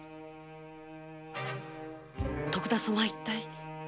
徳田様は一体！